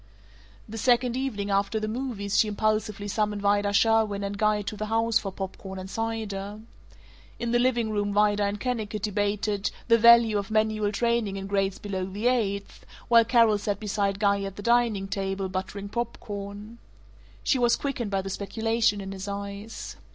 The second evening after the movies she impulsively summoned Vida Sherwin and Guy to the house for pop corn and cider. In the living room Vida and Kennicott debated "the value of manual training in grades below the eighth," while Carol sat beside Guy at the dining table, buttering pop corn. She was quickened by the speculation in his eyes.